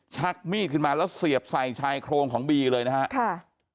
ชักมีดขึ้นมาแล้วเสียบใส่ชายโครงของบีเลยนะครับ